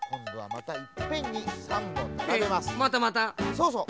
そうそう。